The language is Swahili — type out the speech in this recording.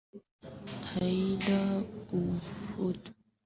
Aidha utumwa na tabia ya kuoa wake wengi ilisaidia kutoa kundi kubwa la masuria